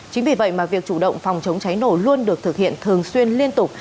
chính vì vậy mà việc chủ động phòng chống cháy nổ luôn được thực hiện thường xuyên liên tục